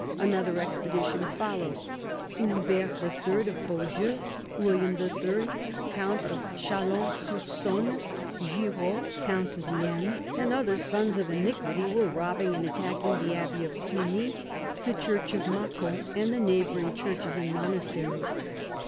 Another expedi tion followed. Humbert III. of Beaujeu, William III., count of Chalon sur Saone, Giraud, count' of Vienne, and other " sons of iniquity " were robbing and attack ing the abbey of Cluny, the church oH ' Macon,, and the neighbouring churches and monasteries.